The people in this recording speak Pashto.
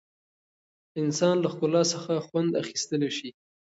انسان له ښکلا څخه خوند اخیستلی شي.